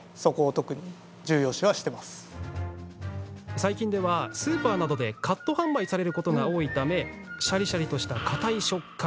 最近では、スーパーなどでカット販売されることが多いためシャリシャリとした硬い食感